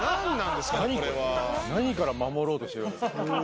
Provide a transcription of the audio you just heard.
何から守ろうとしてるんだ？